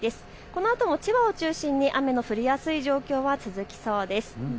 このあとも千葉を中心に雨の降りやすい状況が続きそうです。